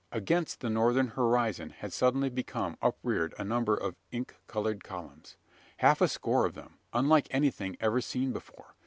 Against the northern horizon had suddenly become upreared a number of ink coloured columns half a score of them unlike anything ever seen before.